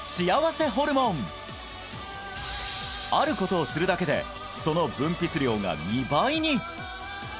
あることをするだけでその分泌量が２倍に！